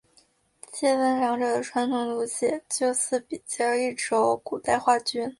介分两者的传统图解就似比较一轴古代画卷。